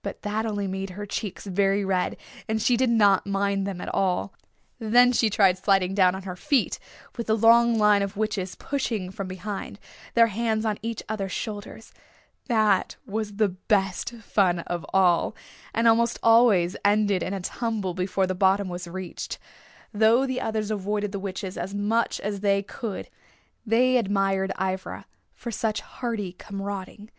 But that only made her cheeks very red, and she did not mind them at all. Then she tried sliding down on her feet, with the long line of witches pushing from behind, their hands on each other's shoulders. That was the best fun of all, and almost always ended in a tumble before the bottom was reached. Though the others avoided the witches as much as they could they admired Ivra for such hardy comrading.